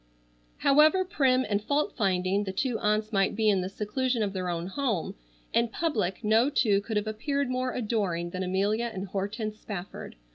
However prim and fault finding the two aunts might be in the seclusion of their own home, in public no two could have appeared more adoring than Amelia and Hortense Spafford.